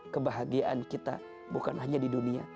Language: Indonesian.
kebahagiaan kita bukan hanya di dunia